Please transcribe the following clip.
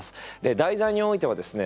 題材においてはですね